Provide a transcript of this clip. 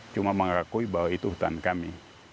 cuma mengakui bahwa itu hutan kami